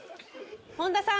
本田さん。